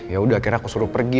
yaudah akhirnya aku suruh pergi